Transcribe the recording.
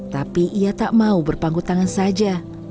tapi ia tak mau berpanggut tangan saja